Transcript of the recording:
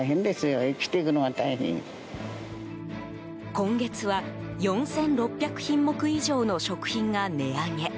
今月は、４６００品目以上の食品が値上げ。